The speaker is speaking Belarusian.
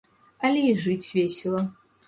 Але і жыць весела.